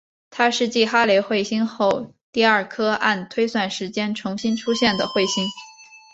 它是继哈雷彗星后第二颗按推算时间重新出现的彗星。